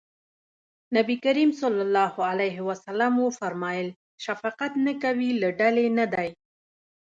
نبي کريم ص وفرمایل شفقت نه کوي له ډلې نه دی.